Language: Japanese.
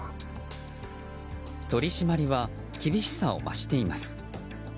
取り締まりは厳しさを増しています。